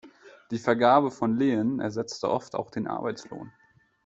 Die Vergabe von Lehen ersetzte oft auch den Arbeitslohn.